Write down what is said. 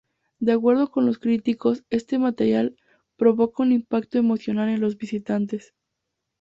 De acuerdo con los críticos, este material provoca un impacto emocional en los visitantes.